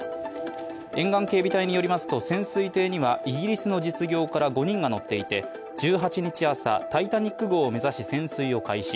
沿岸警備隊によりますと潜水艇にはイギリスの実業家ら５人が乗っていて１８日朝、「タイタニック号」を目指し潜水を開始。